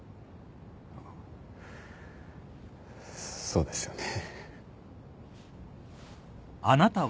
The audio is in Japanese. そうですよね。